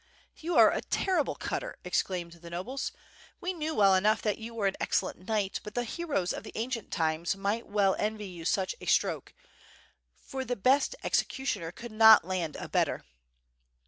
*'You are a terrible cutter/' exclaimed the nobles. "We knew well enough that you were an excellent knight, but the heroes of the ancient times might well envy you such a stroke, for the best executioner could not land a better."